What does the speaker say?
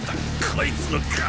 こいつの体！